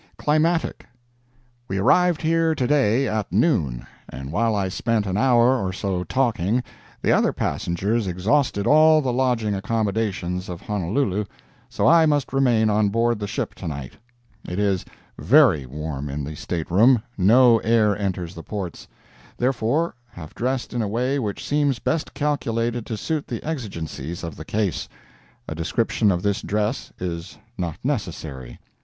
CLIMATIC We arrived here to day at noon, and while I spent an hour or so talking, the other passengers exhausted all the lodging accommodations of Honolulu. So I must remain on board the ship to night. It is Very warm in the stateroom, no air enters the ports. Therefore, have dressed in a way which seems best calculated to suit the exigencies of the case. A description of this dress is not necessary.